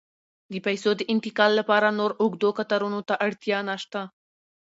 د پیسو د انتقال لپاره نور اوږدو کتارونو ته اړتیا نشته.